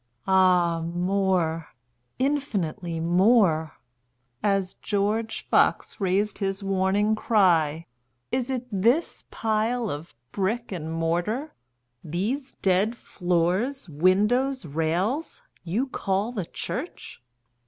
Ah more—infinitely more;(As George Fox rais'd his warning cry, "Is it this pile of brick and mortar—these dead floors, windows, rails—you call the church?